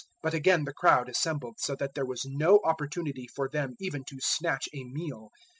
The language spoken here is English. But again the crowd assembled, so that there was no opportunity for them even to snatch a meal.